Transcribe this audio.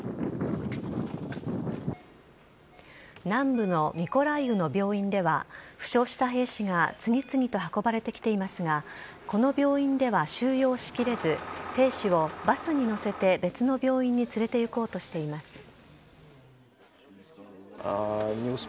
南部のミコライウの病院では、負傷した兵士が次々と運ばれてきていますが、この病院では収容しきれず、兵士をバスに乗せて別の病院に連れていこうとしています。